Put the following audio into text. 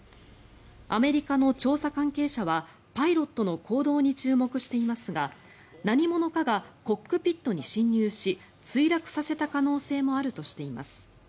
アメリカの調査関係者はパイロットの行動に注目していますが何者かがコックピットに侵入し墜落させた可能性もあるとしています。